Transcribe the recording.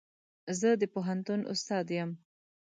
زه د پوهنتون استاد يم.